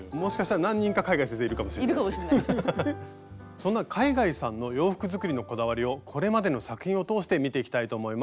そんな海外さんの洋服作りのこだわりをこれまでの作品を通して見ていきたいと思います。